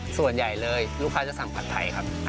ส่วนใหญ่เลยลูกค้าจะสั่งผัดไทยครับ